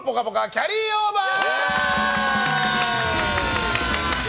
キャリーオーバー！